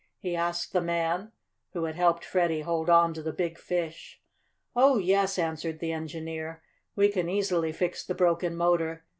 he asked the man who had helped Freddie hold on to the big fish. "Oh, yes," answered the engineer. "We can easily fix the broken motor.